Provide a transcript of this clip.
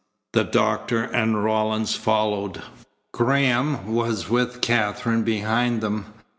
The doctor and Rawlins followed. Graham was with Katherine behind them.